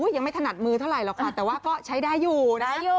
ยังไม่ถนัดมือเท่าไหร่หรอกค่ะแต่ว่าก็ใช้ได้อยู่นะ